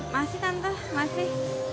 masih tante masih